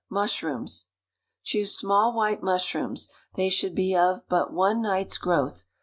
Mushrooms. Choose small white mushrooms; they should be of but one night's growth.